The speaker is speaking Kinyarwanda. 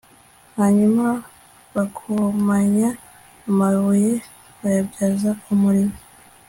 hanyuma bakomanya amabuye bayabyaza umuriro